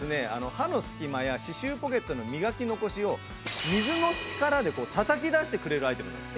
歯の隙間や歯周ポケットの磨き残しを水の力で叩き出してくれるアイテムなんです。